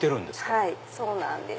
はいそうなんです。